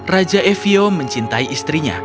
raja evium mencintai istrinya